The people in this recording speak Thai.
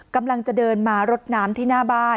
กำลังจะเดินมารดน้ำที่หน้าบ้าน